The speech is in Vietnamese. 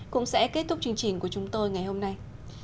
cũng sẽ kết thúc chương trình của chúng tôi ngày hôm nay